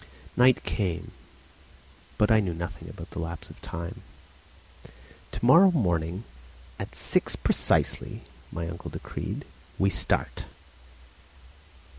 Night came. But I knew nothing about the lapse of time. "To morrow morning at six precisely," my uncle decreed "we start."